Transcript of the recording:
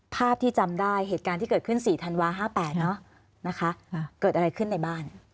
ภาพที่จำได้เหตุการณ์ที่เกิดขึ้น๔ธันวา๕๘นะคะเกิดอะไรขึ้นในบ้าน